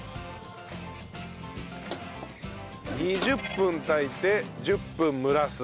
２０分炊いて１０分蒸らす。